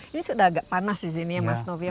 ini sudah agak panas di sini ya mas novia